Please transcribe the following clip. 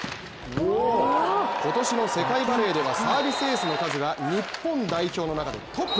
今年の世界バレーではサービスエースの数が日本代表の中でトップ。